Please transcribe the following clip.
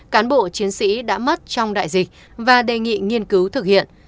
cán bộ chiến sĩ đã mất trong đại dịch và đề nghị nghiên cứu thực hiện